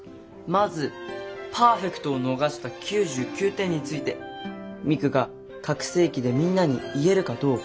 まずパーフェクトを逃した９９点についてミクが拡声機でみんなに言えるかどうか。